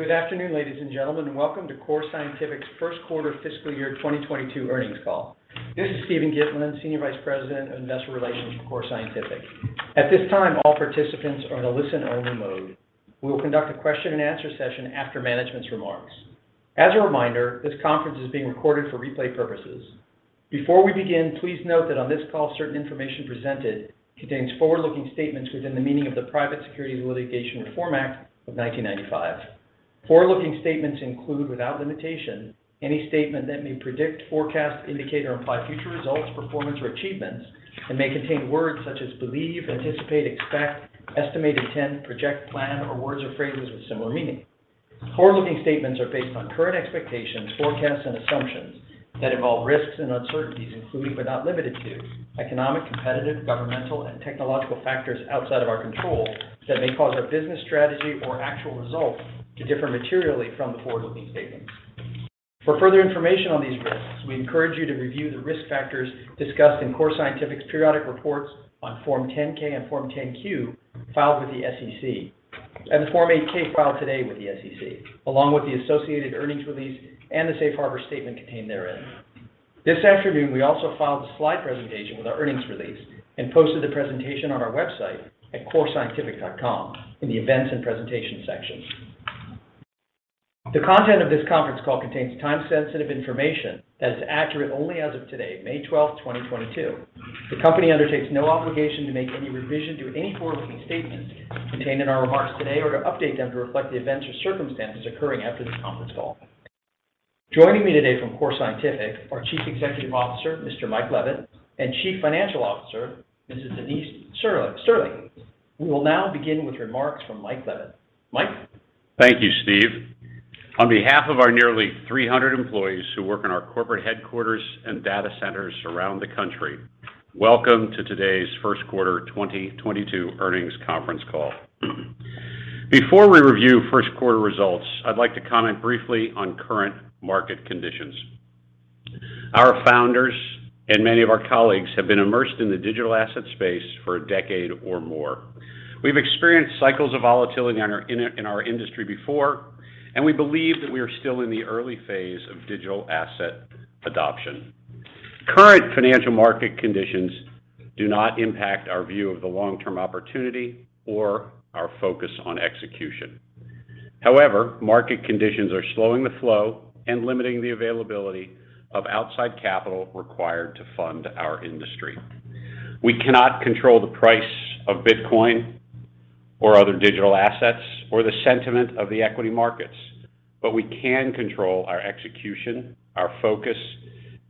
Good afternoon, ladies and gentlemen, and welcome to Core Scientific's Q1 fiscal year 2022 Earnings call. This is Steven Gitlin, Senior Vice President of Investor Relations for Core Scientific. At this time, all participants are in a listen-only mode. We will conduct a question-and-answer session after management's remarks. As a reminder, this conference is being recorded for replay purposes. Before we begin, please note that on this call, certain information presented contains forward-looking statements within the meaning of the Private Securities Litigation Reform Act of 1995. Forward-looking statements include, without limitation, any statement that may predict, forecast, indicate, or imply future results, performance or achievements and may contain words such as believe, anticipate, expect, estimate, intend, project, plan, or words or phrases with similar meaning. Forward-looking statements are based on current expectations, forecasts and assumptions that involve risks and uncertainties, including but not limited to economic, competitive, governmental, and technological factors outside of our control that may cause our business strategy or actual results to differ materially from the forward-looking statements. For further information on these risks, we encourage you to review the risk factors discussed in Core Scientific's periodic reports on Form 10-K and Form 10-Q filed with the SEC and the Form 8-K filed today with the SEC, along with the associated earnings release and the safe harbor statement contained therein. This afternoon, we also filed the slide presentation with our earnings release and posted the presentation on our website at corescientific.com in the Events and Presentation section. The content of this Conference Call contains time-sensitive information that is accurate only as of today, May twelfth, twenty twenty-two. The company undertakes no obligation to make any revision to any forward-looking statements contained in our remarks today or to update them to reflect the events or circumstances occurring after this Conference Call. Joining me today from Core Scientific are Chief Executive Officer, Mr. Mike Levitt, and Chief Financial Officer, Mrs. Denise Sterling. We will now begin with remarks from Mike Levitt. Mike. Thank you, Steven. On behalf of our nearly 300 employees who work in our corporate headquarters and data centers around the country, welcome to today's Q1 2022 Earnings Conference Call. Before we review Q1 results, I'd like to comment briefly on current market conditions. Our founders and many of our colleagues have been immersed in the digital asset space for a decade or more. We've experienced cycles of volatility in our industry before, and we believe that we are still in the early phase of digital asset adoption. Current financial market conditions do not impact our view of the long-term opportunity or our focus on execution. However, market conditions are slowing the flow and limiting the availability of outside capital required to fund our industry. We cannot control the price of Bitcoin or other digital assets or the sentiment of the equity markets, but we can control our execution, our focus,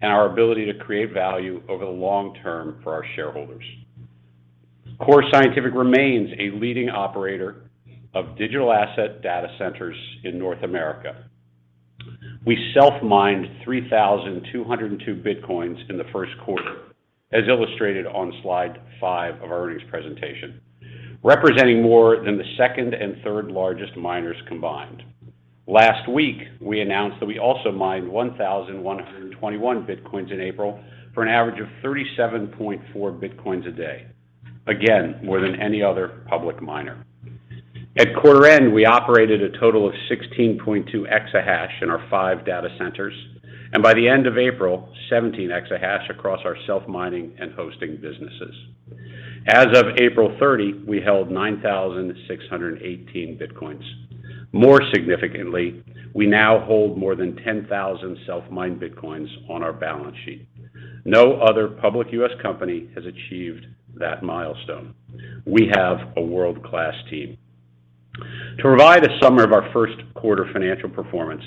and our ability to create value over the long-term for our shareholders. Core Scientific remains a leading operator of digital asset data centers in North America. We self-mined 3,202 Bitcoins in Q1, as illustrated on slide 5 of our earnings presentation, representing more than the second and third largest miners combined. Last week, we announced that we also mined 1,121 Bitcoins in April for an average of 37.4 Bitcoins a day. Again, more than any other public miner. At quarter end, we operated a total of 16.2 exahash in our 5 data centers, and by the end of April, 17 exahash across our self-mining and hosting businesses. As of April 30, we held 9,618 Bitcoins. More significantly, we now hold more than 10,000 self-mined Bitcoins on our balance sheet. No other public U.S. company has achieved that milestone. We have a world-class team. To provide a summary of our Q1 financial performance,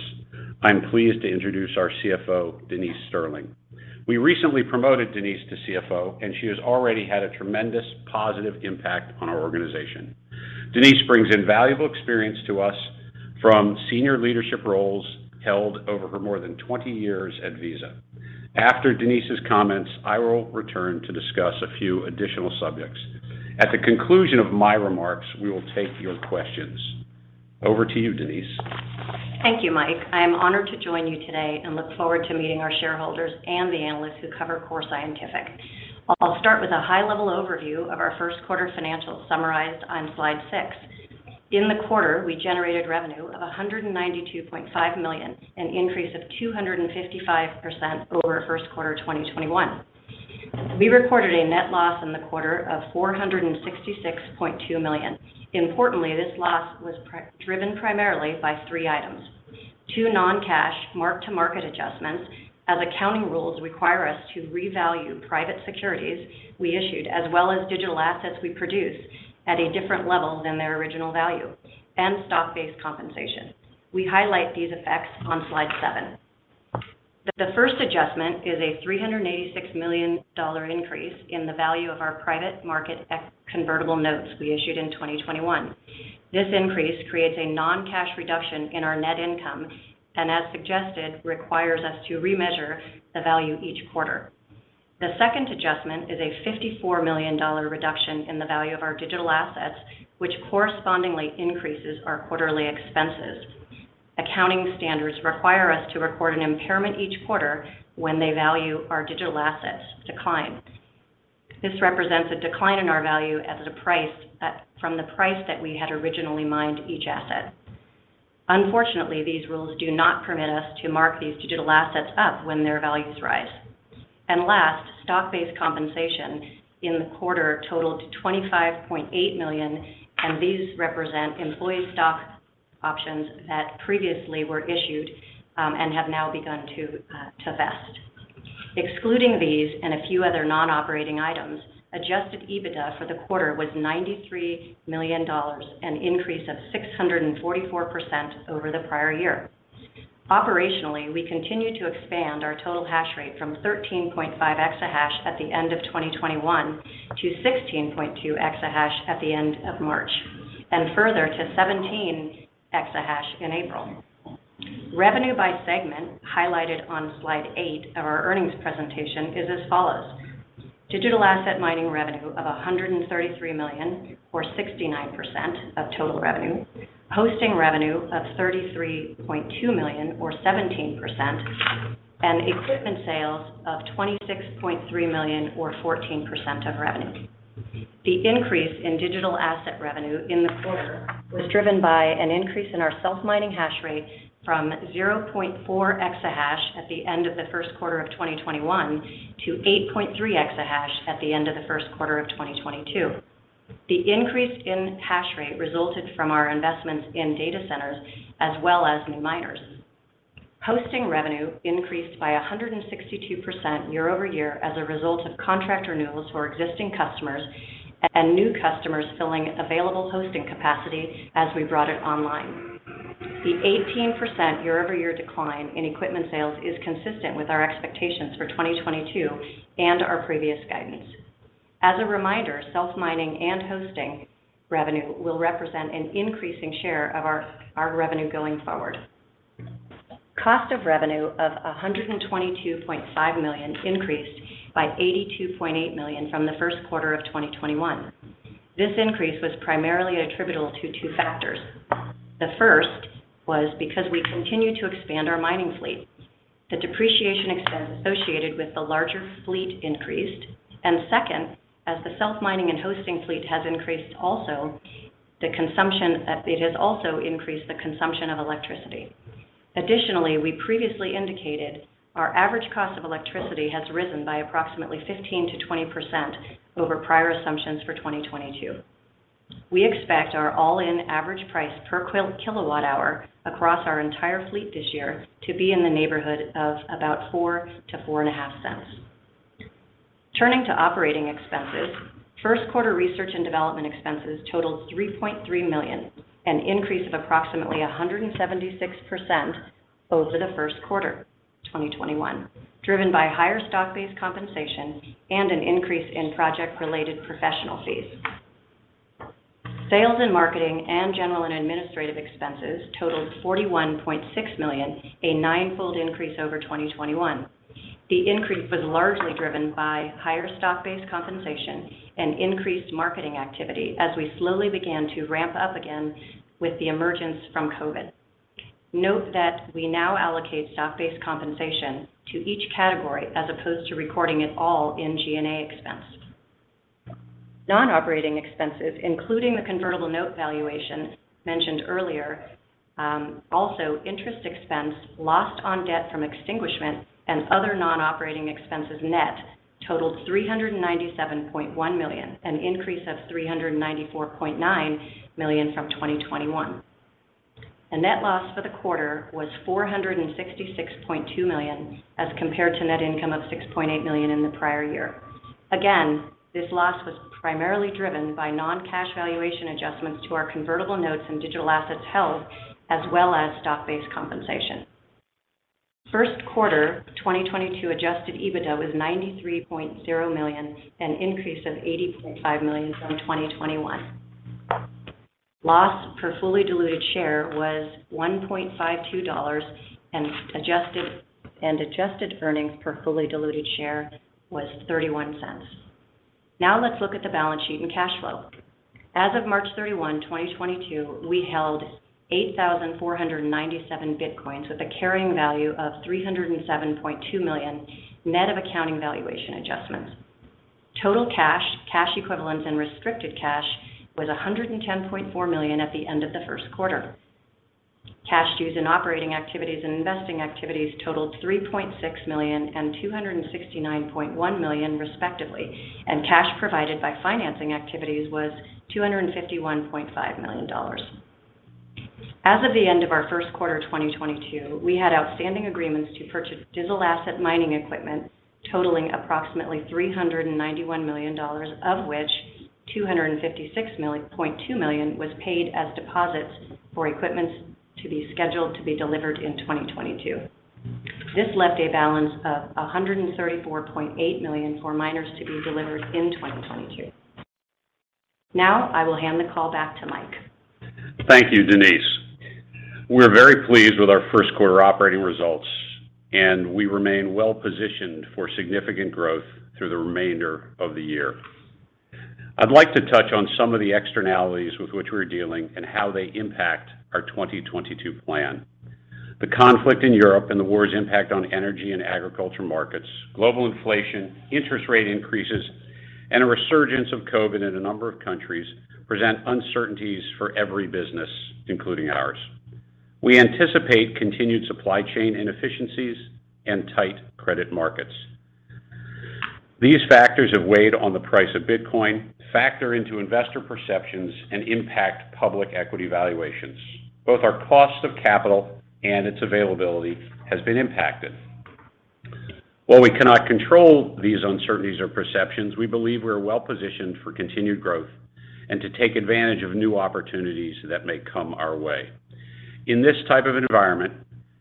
I'm pleased to introduce our CFO, Denise Sterling. We recently promoted Denise to CFO, and she has already had a tremendous positive impact on our organization. Denise brings invaluable experience to us from senior leadership roles held over her more than 20 years at Visa. After Denise's comments, I will return to discuss a few additional subjects. At the conclusion of my remarks, we will take your questions. Over to you, Denise. Thank you, Mike. I am honored to join you today and look forward to meeting our shareholders and the analysts who cover Core Scientific. I'll start with a high-level overview of our Q1 financials summarized on slide six. In the quarter, we generated revenue of $192.5 million, an increase of 255% over Q1 2021. We recorded a net loss in the quarter of $466.2 million. Importantly, this loss was driven primarily by three items. Two non-cash mark-to-market adjustments, as accounting rules require us to revalue private securities we issued, as well as digital assets we produce at a different level than their original value and stock-based compensation. We highlight these effects on slide seven. The first adjustment is a $386 million increase in the value of our private market convertible notes we issued in 2021. This increase creates a non-cash reduction in our net income, and as suggested, requires us to remeasure the value each quarter. The second adjustment is a $54 million reduction in the value of our digital assets, which correspondingly increases our quarterly expenses. Accounting standards require us to record an impairment each quarter when the value of our digital assets declines. This represents a decline in the value of our assets at a price from the price that we had originally mined each asset. Unfortunately, these rules do not permit us to mark these digital assets up when their values rise. Last, stock-based compensation in the quarter totaled $25.8 million, and these represent employee stock options that previously were issued, and have now begun to vest. Excluding these and a few other non-operating items, adjusted EBITDA for the quarter was $93 million, an increase of 644% over the prior year. Operationally, we continue to expand our total hash rate from 13.5 exahash at the end of 2021 to 16.2 exahash at the end of March, and further to 17 exahash in April. Revenue by segment highlighted on slide 8 of our earnings presentation is as follows. Digital asset mining revenue of $133 million or 69% of total revenue, hosting revenue of $33.2 million or 17%, and equipment sales of $26.3 million or 14% of revenue. The increase in digital asset revenue in the quarter was driven by an increase in our self-mining hash rate from 0.4 exahash at the end of Q1 of 2021 to 8.3 exahash at the end of Q1 of 2022. The increase in hash rate resulted from our investments in data centers as well as new miners. Hosting revenue increased by 162% year-over-year as a result of contract renewals for existing customers and new customers filling available hosting capacity as we brought it online. The 18% year-over-year decline in equipment sales is consistent with our expectations for 2022 and our previous guidance. As a reminder, self-mining and hosting revenue will represent an increasing share of our revenue going forward. Cost of revenue of $122.5 million increased by $82.8 million from Q1 of 2021. This increase was primarily attributable to two factors. The first was because we continued to expand our mining fleet. The depreciation expense associated with the larger fleet increased. Second, as the self-mining and hosting fleet has increased, it has also increased the consumption of electricity. Additionally, we previously indicated our average cost of electricity has risen by approximately 15%-20% over prior assumptions for 2022. We expect our all-in average price per kilowatt-hour across our entire fleet this year to be in the neighborhood of about $0.04-$0.045. Turning to operating expenses, Q1 research and development expenses totaled $3.3 million, an increase of approximately 176% over Q1 2021, driven by higher stock-based compensation and an increase in project-related professional fees. Sales and marketing and general and administrative expenses totaled $41.6 million, a nine-fold increase over 2021. The increase was largely driven by higher stock-based compensation and increased marketing activity as we slowly began to ramp up again with the emergence from COVID. Note that we now allocate stock-based compensation to each category as opposed to recording it all in G&A expense. Non-operating expenses, including the convertible note valuation mentioned earlier, also interest expense loss on debt extinguishment and other non-operating expenses net totaled $397.1 million, an increase of $394.9 million from 2021. The net loss for the quarter was $466.2 million, as compared to net income of $6.8 million in the prior year. Again, this loss was primarily driven by non-cash valuation adjustments to our convertible notes and digital assets held, as well as stock-based compensation. Q1 2022 adjusted EBITDA was $93.0 million, an increase of $80.5 million from 2021. Loss per fully diluted share was $1.52, and adjusted earnings per fully diluted share was $0.31. Now let's look at the balance sheet and cash flow. As of March 31, 2022, we held 8,497 Bitcoins with a carrying value of $307.2 million net of accounting valuation adjustments. Total cash equivalents and restricted cash was $110.4 million at the end of Q1. Cash used in operating activities and investing activities totaled $3.6 million and $269.1 million respectively, and cash provided by financing activities was $251.5 million. As of the end of our Q1 2022, we had outstanding agreements to purchase digital asset mining equipment totaling approximately $391 million, of which $256.2 million was paid as deposits for equipment to be scheduled to be delivered in 2022. This left a balance of $134.8 million for miners to be delivered in 2022. Now, I will hand the call back to Mike. Thank you, Denise. We're very pleased with our Q1 operating results, and we remain well-positioned for significant growth through the remainder of the year. I'd like to touch on some of the externalities with which we're dealing and how they impact our 2022 plan. The conflict in Europe and the war's impact on energy and agriculture markets, global inflation, interest rate increases, and a resurgence of COVID in a number of countries present uncertainties for every business, including ours. We anticipate continued supply chain inefficiencies and tight credit markets. These factors have weighed on the price of Bitcoin, factor into investor perceptions, and impact public equity valuations. Both our cost of capital and its availability has been impacted. While we cannot control these uncertainties or perceptions, we believe we're well-positioned for continued growth and to take advantage of new opportunities that may come our way. In this type of environment,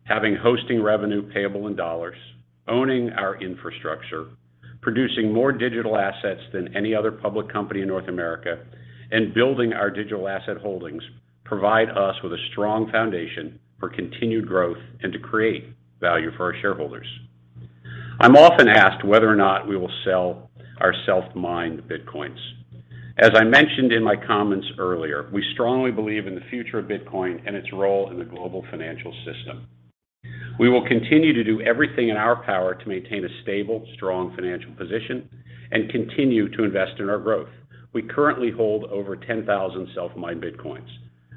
having hosting revenue payable in dollars, owning our infrastructure, producing more digital assets than any other public company in North America, and building our digital asset holdings provide us with a strong foundation for continued growth and to create value for our shareholders. I'm often asked whether or not we will sell our self-mined Bitcoins. As I mentioned in my comments earlier, we strongly believe in the future of Bitcoin and its role in the global financial system. We will continue to do everything in our power to maintain a stable, strong financial position and continue to invest in our growth. We currently hold over 10,000 self-mined Bitcoins.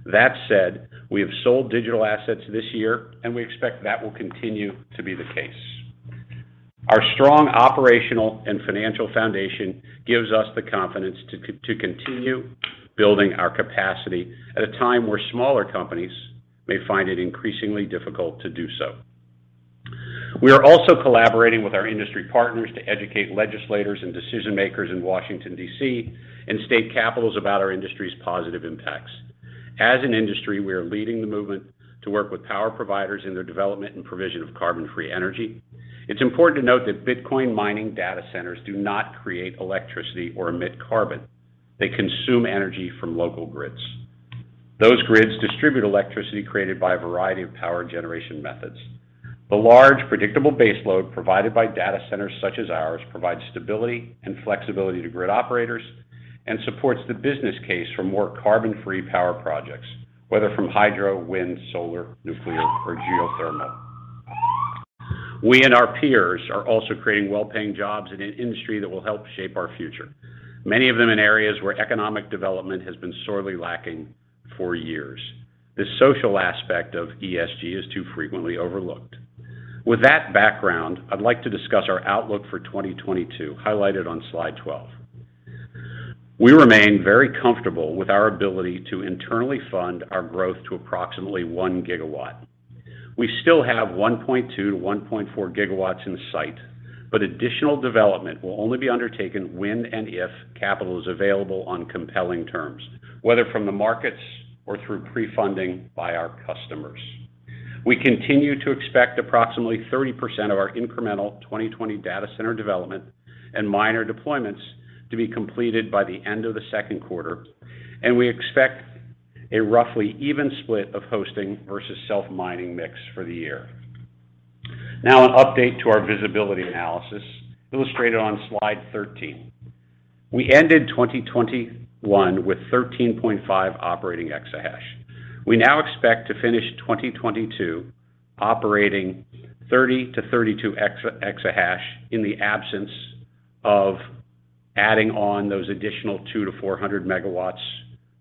That said, we have sold digital assets this year, and we expect that will continue to be the case. Our strong operational and financial foundation gives us the confidence to continue building our capacity at a time where smaller companies may find it increasingly difficult to do so. We are also collaborating with our industry partners to educate legislators and decision-makers in Washington, D.C., and state capitals about our industry's positive impacts. As an industry, we are leading the movement to work with power providers in their development and provision of carbon-free energy. It's important to note that Bitcoin mining data centers do not create electricity or emit carbon. They consume energy from local grids. Those grids distribute electricity created by a variety of power generation methods. The large, predictable base load provided by data centers such as ours provide stability and flexibility to grid operators and supports the business case for more carbon-free power projects, whether from hydro, wind, solar, nuclear, or geothermal. We and our peers are also creating well-paying jobs in an industry that will help shape our future, many of them in areas where economic development has been sorely lacking for years. This social aspect of ESG is too frequently overlooked. With that background, I'd like to discuss our outlook for 2022, highlighted on slide 12. We remain very comfortable with our ability to internally fund our growth to approximately 1 gigawatt. We still have 1.2-1.4 gigawatts in the site, but additional development will only be undertaken when and if capital is available on compelling terms, whether from the markets or through pre-funding by our customers. We continue to expect approximately 30% of our incremental 2020 data center development and miner deployments to be completed by the end of Q2, and we expect a roughly even split of hosting versus self-mining mix for the year. Now an update to our visibility analysis, illustrated on slide 13. We ended 2021 with 13.5 operating exahash. We now expect to finish 2022 operating 30-32 exahash in the absence of adding on those additional 200-400 megawatts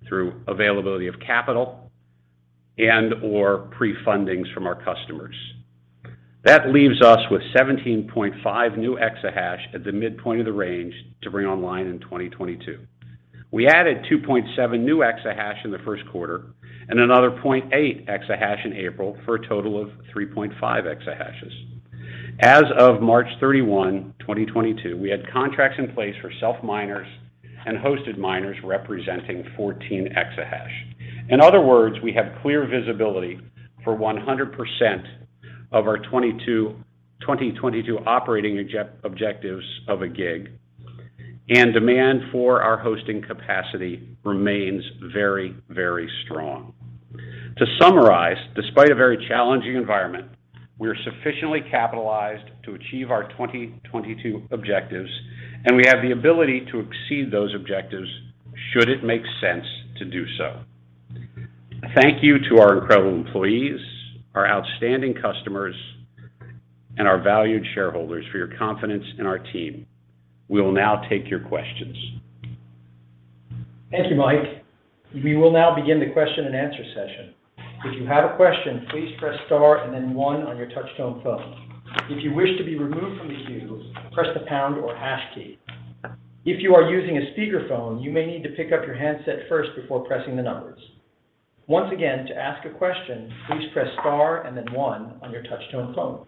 through availability of capital and/or pre-fundings from our customers. That leaves us with 17.5 new exahash at the midpoint of the range to bring online in 2022. We added 2.7 new exahash in Q1 and another 0.8 exahash in April for a total of 3.5 exahash. As of March 31, 2022, we had contracts in place for self-miners and hosted miners representing 14 exahash. In other words, we have clear visibility for 100% of our 2022 operating objectives of a gig, and demand for our hosting capacity remains very, very strong. To summarize, despite a very challenging environment, we are sufficiently capitalized to achieve our 2022 objectives, and we have the ability to exceed those objectives should it make sense to do so. Thank you to our incredible employees, our outstanding customers, and our valued shareholders for your confidence in our team. We will now take your questions. Thank you, Mike. We will now begin the question-and-answer session. If you have a question, please press * and then one on your touch-tone phone. If you wish to be removed from the queue, press the pound or hash key. If you are using a speakerphone, you may need to pick up your handset first before pressing the numbers. Once again, to ask a question, please press * and then one on your touch-tone phone.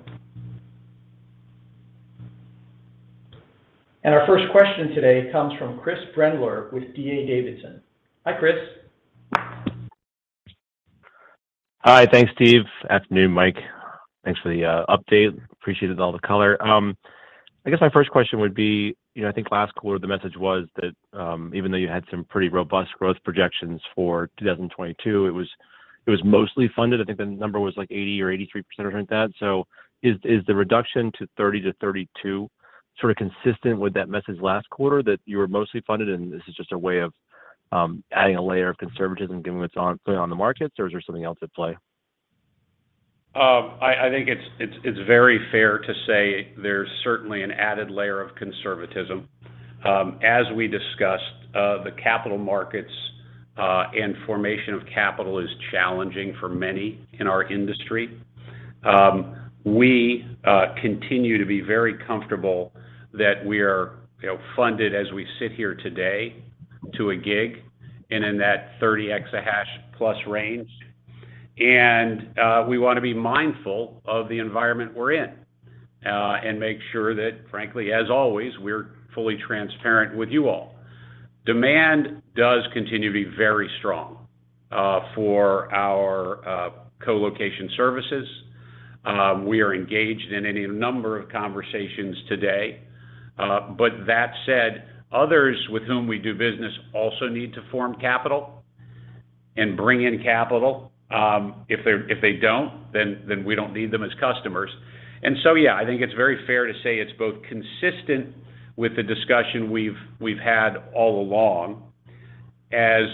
Our first question today comes from Chris Brendler with D.A. Davidson. Hi, Chris. Hi. Thanks, Steven. Afternoon, Mike. Thanks for the update. Appreciated all the color. I guess my first question would be, you know, I think last quarter the message was that even though you had some pretty robust growth projections for 2022, it was mostly funded. I think the number was, like, 80 or 83% or something like that. Is the reduction to 30-32% sort of consistent with that message last quarter that you were mostly funded and this is just a way of adding a layer of conservatism given what's playing on the markets, or is there something else at play? I think it's very fair to say there's certainly an added layer of conservatism. As we discussed, the capital markets and formation of capital is challenging for many in our industry. We continue to be very comfortable that we are, you know, funded as we sit here today to a gigawatt and in that 30 exahash plus range. We wanna be mindful of the environment we're in and make sure that, frankly, as always, we're fully transparent with you all. Demand does continue to be very strong for our colocation services. We are engaged in any number of conversations today. But that said, others with whom we do business also need to form capital and bring in capital. If they don't, then we don't need them as customers. Yeah, I think it's very fair to say it's both consistent with the discussion we've had all along, as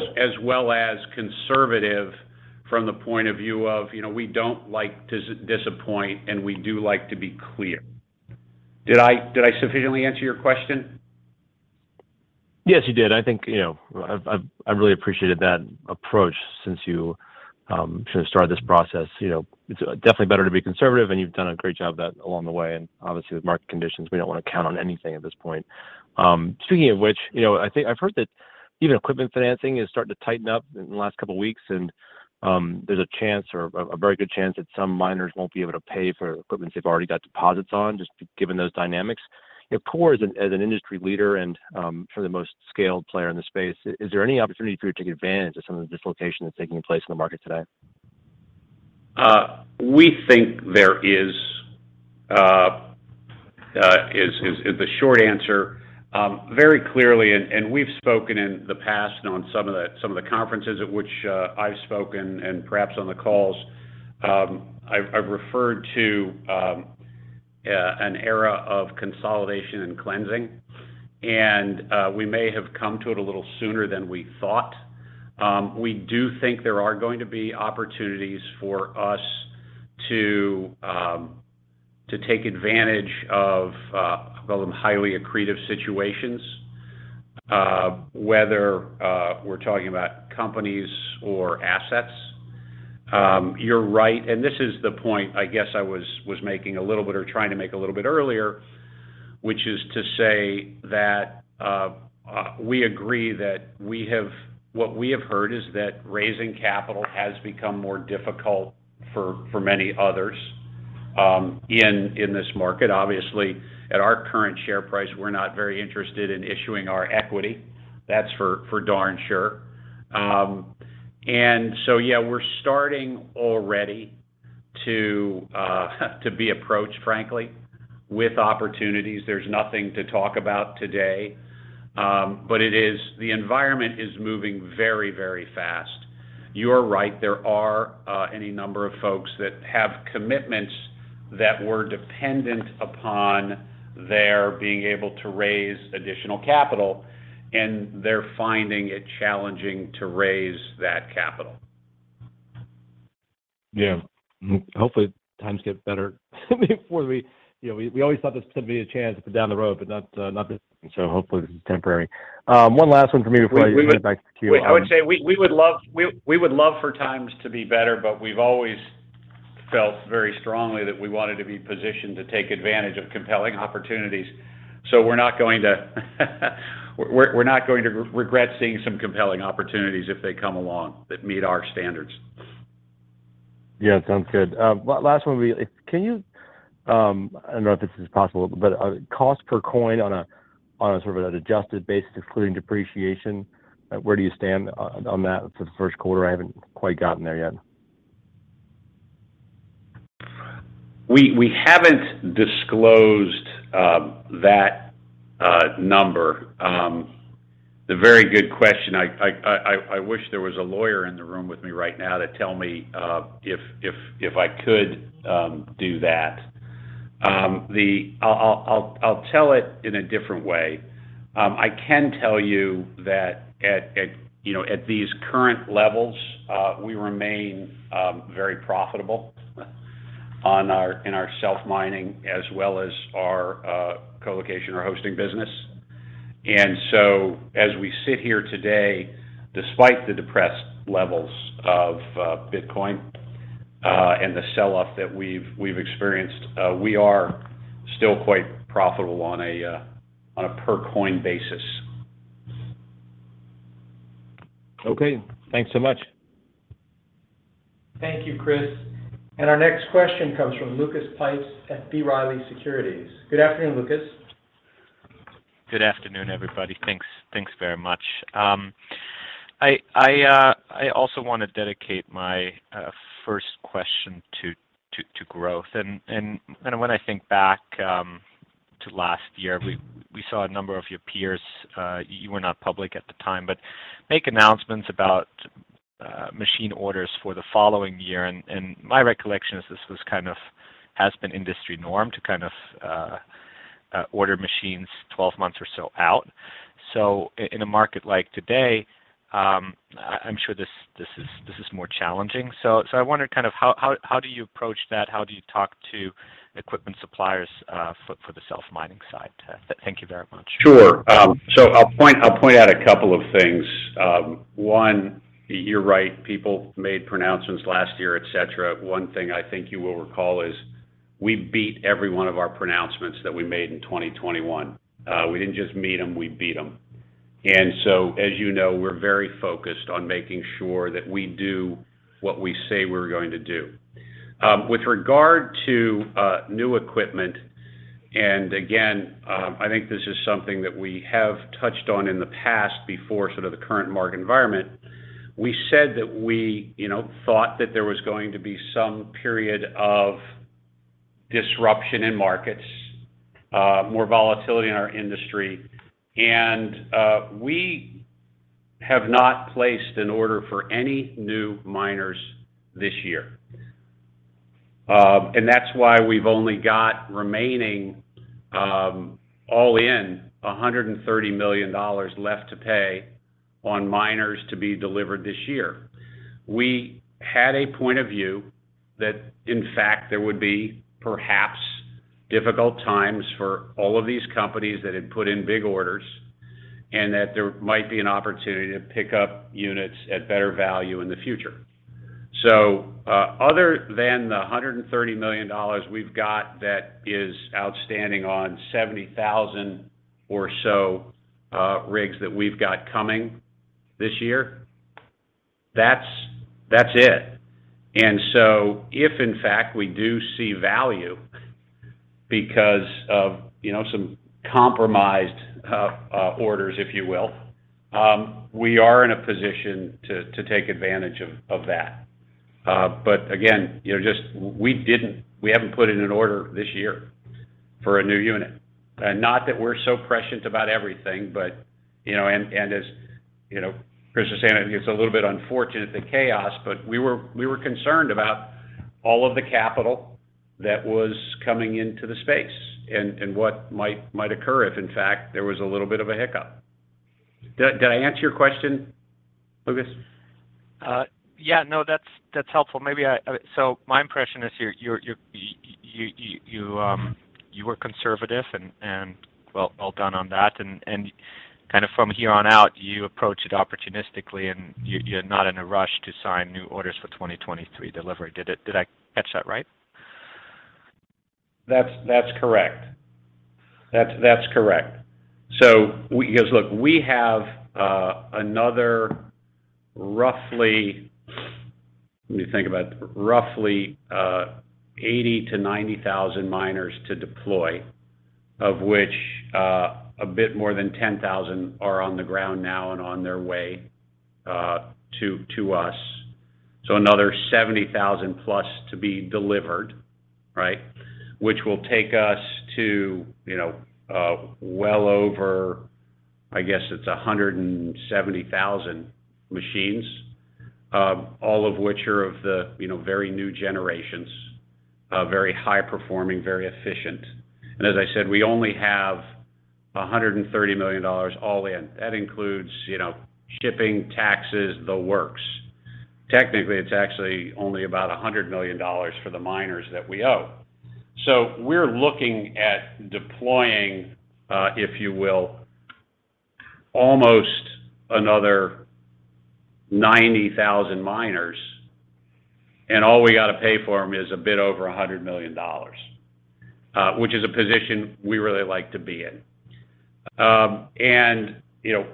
well as conservative from the point of view of, you know, we don't like disappoint, and we do like to be clear. Did I sufficiently answer your question? Yes, you did. I think, you know, I've I really appreciated that approach since you sort of started this process. You know, it's definitely better to be conservative, and you've done a great job of that along the way. Obviously, with market conditions, we don't wanna count on anything at this point. Speaking of which, you know, I think I've heard that even equipment financing is starting to tighten up in the last couple weeks, and there's a chance or a very good chance that some miners won't be able to pay for equipment they've already got deposits on, just given those dynamics. You know, Core as an industry leader and for the most scaled player in the space, is there any opportunity for you to take advantage of some of the dislocation that's taking place in the market today? We think there is. Is the short answer, very clearly, and we've spoken in the past on some of the conferences at which I've spoken and perhaps on the calls, I've referred to an era of consolidation and cleansing. We may have come to it a little sooner than we thought. We do think there are going to be opportunities for us to take advantage of, call them highly accretive situations, whether we're talking about companies or assets. You're right, and this is the point, I guess, I was making a little bit or trying to make a little bit earlier, which is to say that, we agree that we have... What we have heard is that raising capital has become more difficult for many others in this market. Obviously, at our current share price, we're not very interested in issuing our equity. That's for darn sure. Yeah, we're starting already to be approached, frankly, with opportunities. There's nothing to talk about today. It is the environment is moving very, very fast. You're right, there are any number of folks that have commitments that were dependent upon their being able to raise additional capital, and they're finding it challenging to raise that capital. Yeah. Hopefully, times get better before we. You know, we always thought this could be a chance down the road, but not so hopefully temporary. One last one for me before I hand it back to you. I would say we would love for times to be better, but we've always felt very strongly that we wanted to be positioned to take advantage of compelling opportunities. We're not going to regret seeing some compelling opportunities if they come along that meet our standards. Yeah, sounds good. Last one will be, can you, I don't know if this is possible, but, cost per coin on a sort of an adjusted basis, excluding depreciation, where do you stand on that for Q1? I haven't quite gotten there yet. We haven't disclosed that number. The very good question. I wish there was a lawyer in the room with me right now to tell me if I could do that. I'll tell it in a different way. I can tell you that, you know, at these current levels, we remain very profitable in our self-mining as well as our colocation or hosting business. As we sit here today, despite the depressed levels of Bitcoin and the sell-off that we've experienced, we are still quite profitable on a per coin basis. Okay. Thanks so much. Thank you, Chris. Our next question comes from Lucas Pipes at B. Riley Securities. Good afternoon, Lucas. Good afternoon, everybody. Thanks very much. I also want to dedicate my first question to growth. When I think back to last year, we saw a number of your peers. You were not public at the time, but make announcements about machine orders for the following year. My recollection is this was kind of has been industry norm to kind of order machines 12 months or so out. In a market like today, I'm sure this is more challenging. I wonder kind of how do you approach that? How do you talk to equipment suppliers for the self-mining side? Thank you very much. Sure. So I'll point out a couple of things. One, you're right, people made pronouncements last year, et cetera. One thing I think you will recall is we beat every one of our pronouncements that we made in 2021. We didn't just meet them, we beat them. As you know, we're very focused on making sure that we do what we say we're going to do. With regard to new equipment, and again, I think this is something that we have touched on in the past before sort of the current market environment, we said that we, you know, thought that there was going to be some period of disruption in markets, more volatility in our industry. We have not placed an order for any new miners this year. That's why we've only got remaining, all in $130 million left to pay on miners to be delivered this year. We had a point of view that in fact, there would be perhaps difficult times for all of these companies that had put in big orders, and that there might be an opportunity to pick up units at better value in the future. Other than the $130 million we've got that is outstanding on 70,000 or so rigs that we've got coming this year, that's it. If in fact we do see value because of you know, some compromised orders, if you will, we are in a position to take advantage of that. Again, you know, just we haven't put in an order this year for a new unit. Not that we're so prescient about everything, but you know, and as you know, Chris was saying, it's a little bit unfortunate, the chaos, but we were concerned about all of the capital that was coming into the space and what might occur if in fact there was a little bit of a hiccup. Did I answer your question, Lucas? Yeah, no, that's helpful. Maybe so my impression is you were conservative and well done on that. Kind of from here on out, you approach it opportunistically and you're not in a rush to sign new orders for 2023 delivery. Did I catch that right? That's correct. Because look, we have another roughly, let me think about it, roughly 80-90 thousand miners to deploy, of which a bit more than 10,000 are on the ground now and on their way to us. Another 70,000 plus to be delivered, right? Which will take us to, you know, well-over, I guess it's 170,000 machines, all of which are of the, you know, very new generations, very high performing, very efficient. As I said, we only have $130 million all in. That includes, you know, shipping, taxes, the works. Technically, it's actually only about $100 million for the miners that we owe. We're looking at deploying, if you will, almost another 90,000 miners, and all we got to pay for them is a bit over $100 million, which is a position we really like to be in. You know,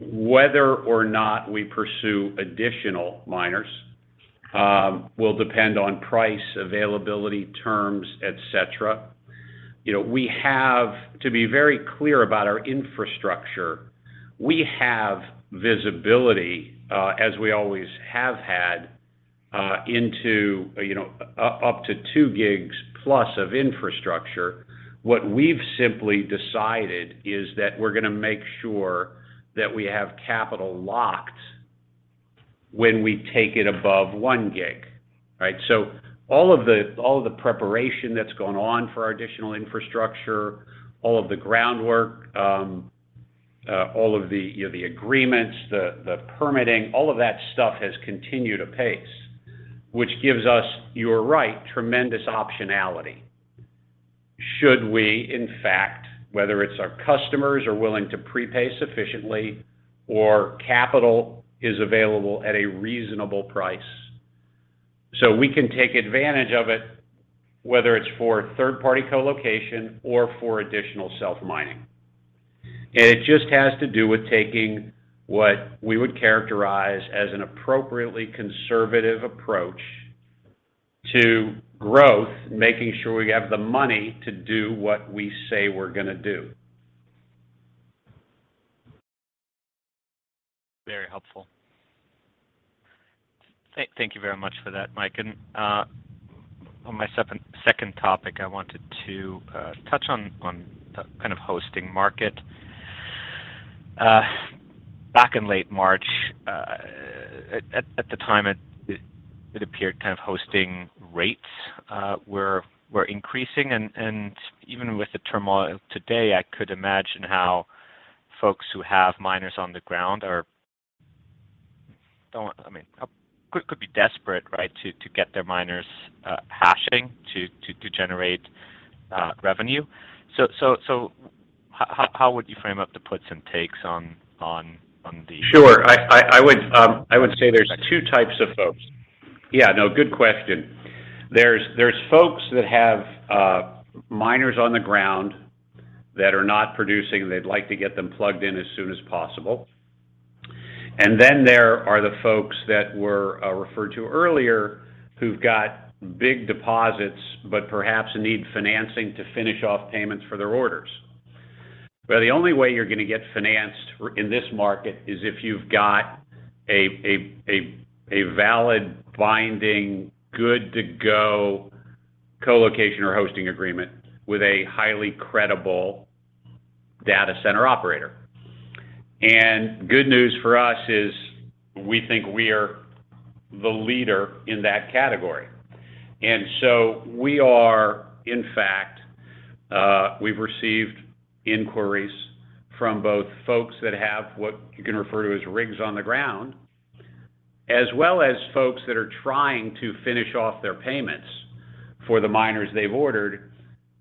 whether or not we pursue additional miners will depend on price, availability, terms, etc. You know, we have to be very clear about our infrastructure. We have visibility, as we always have had, into, you know, up to 2 gigs plus of infrastructure. What we've simply decided is that we're gonna make sure that we have capital locked when we take it above 1 gig, right? All of the preparation that's gone on for our additional infrastructure, all of the groundwork, you know, the agreements, the permitting, all of that stuff has continued apace, which gives us, you're right, tremendous optionality. Should we, in fact, whether it's our customers are willing to prepay sufficiently or capital is available at a reasonable price. We can take advantage of it, whether it's for third-party colocation or for additional self-mining. It just has to do with taking what we would characterize as an appropriately conservative approach to growth, making sure we have the money to do what we say we're gonna do. Very helpful. Thank you very much for that, Mike. On my second topic, I wanted to touch on the kind of hosting market. Back in late March, at the time, it appeared kind of hosting rates were increasing. Even with the turmoil today, I could imagine how folks who have miners on the ground are. I mean, could be desperate, right, to get their miners hashing to generate revenue. How would you frame up the puts and takes on the- Sure. I would say there's two types of folks. Yeah, no, good question. There's folks that have miners on the ground that are not producing. They'd like to get them plugged in as soon as possible. Then there are the folks that were referred to earlier who've got big deposits, but perhaps need financing to finish off payments for their orders. Well, the only way you're gonna get financed in this market is if you've got a valid binding, good-to-go colocation or hosting agreement with a highly credible data center operator. Good news for us is we think we are the leader in that category. We are. In fact, we've received inquiries from both folks that have what you can refer to as rigs on the ground, as well as folks that are trying to finish off their payments for the miners they've ordered,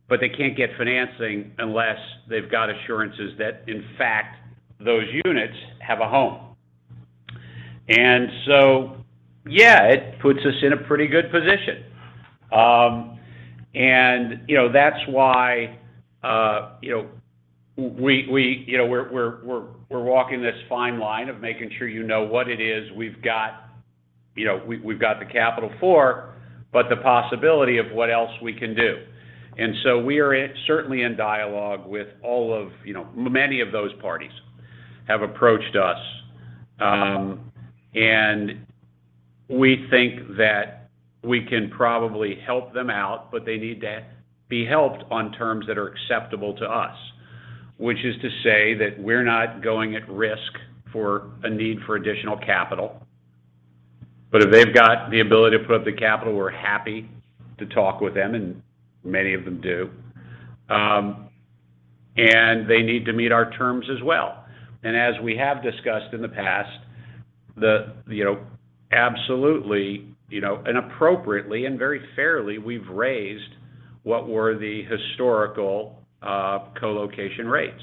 but they can't get financing unless they've got assurances that, in fact, those units have a home. Yeah, it puts us in a pretty good position. You know, that's why, you know, we're walking this fine line of making sure you know what it is we've got, you know, we've got the capital for, but the possibility of what else we can do. We are certainly in dialogue with all of, you know, many of those parties have approached us. We think that we can probably help them out, but they need to be helped on terms that are acceptable to us, which is to say that we're not going at risk for a need for additional capital. If they've got the ability to put up the capital, we're happy to talk with them, and many of them do. They need to meet our terms as well. As we have discussed in the past, the, you know, absolutely, you know, and appropriately and very fairly, we've raised what were the historical colocation rates.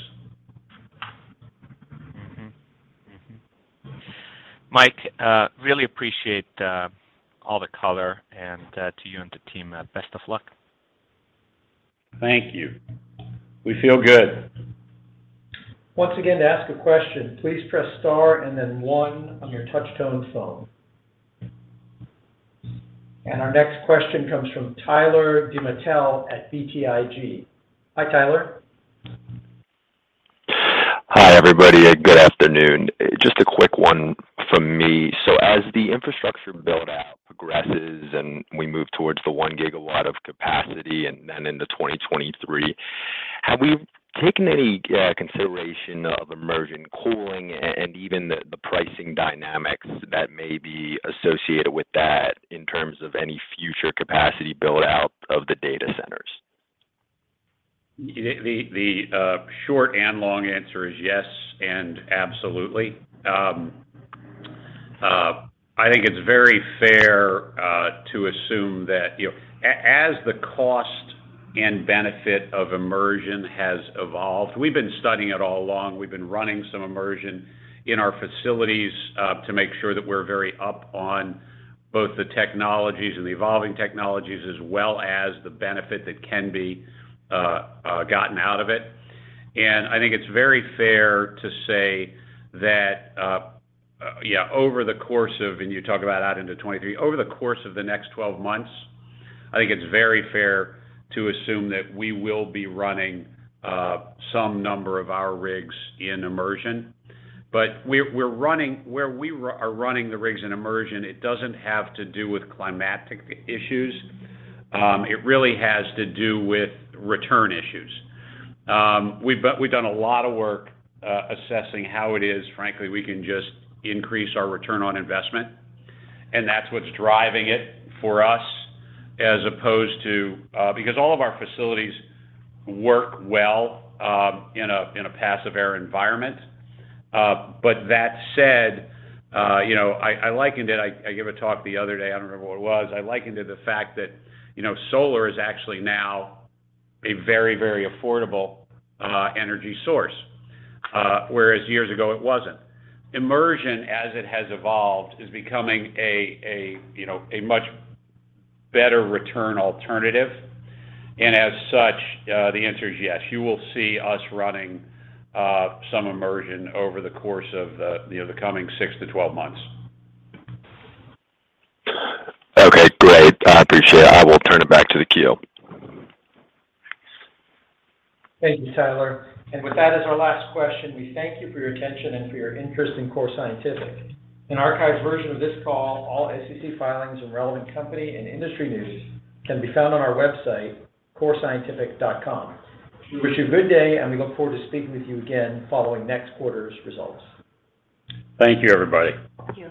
Mike, really appreciate all the color and to you and the team, best of luck. Thank you. We feel good. Once again, to ask a question, please press * and then one on your touch tone phone. Our next question comes from Tyler DiMatteo at BTIG. Hi, Tyler. Hi, everybody, and good afternoon. Just a quick one from me. As the infrastructure build-out progresses and we move towards the 1 gigawatt of capacity and then into 2023, have we taken any consideration of immersion cooling and even the pricing dynamics that may be associated with that in terms of any future capacity build-out of the data centers? The short and long answer is yes and absolutely. I think it's very fair to assume that, you know, as the cost and benefit of immersion has evolved, we've been studying it all along. We've been running some immersion in our facilities to make sure that we're very up on both the technologies and the evolving technologies as well as the benefit that can be gotten out of it. I think it's very fair to say that over the course of the next 12 months, I think it's very fair to assume that we will be running some number of our rigs in immersion. Where we are running the rigs in immersion, it doesn't have to do with climatic issues. It really has to do with return issues. We've done a lot of work assessing how it is, frankly, we can just increase our return on investment, and that's what's driving it for us as opposed to. Because all of our facilities work well in a passive air environment. But that said, you know, I likened it. I gave a talk the other day. I don't remember what it was. I likened it to the fact that, you know, solar is actually now a very, very affordable energy source, whereas years ago it wasn't. Immersion, as it has evolved, is becoming a, you know, a much better return alternative. As such, the answer is yes. You will see us running some immersion over the course of the, you know, the coming 6-12 months. Okay. Great. I appreciate it. I will turn it back to the queue. Thank you, Tyler. With that as our last question, we thank you for your attention and for your interest in Core Scientific. An archived version of this call, all SEC filings, and relevant company and industry news can be found on our website, corescientific.com. We wish you a good day, and we look forward to speaking with you again following next quarter's results. Thank you, everybody. Thank you.